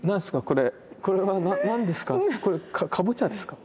これは何ですか？